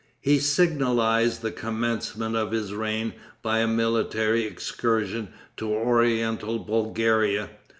He signalized the commencement of his reign by a military excursion to oriental Bulgaria.